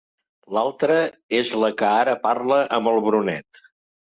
L'altra és la que ara parla amb el Brunet.